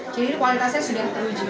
jadi ini kualitasnya sudah teruji